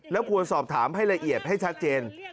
แล้วควรสอบถามให้ละเอียดให้ชัดเจน